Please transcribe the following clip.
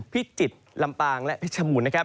พิจิตรลำปางและเพชรบูรณ์นะครับ